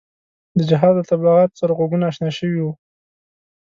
د جهاد له تبلیغاتو سره غوږونه اشنا شوي وو.